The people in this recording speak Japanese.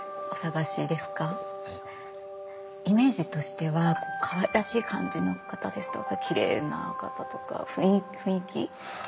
イメージとしてはかわいらしい感じの方ですとかきれいな方とか雰囲気